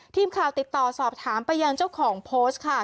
ทีมข่าวติดต่อสอบถามไปยังเจ้าของโพสต์ค่ะ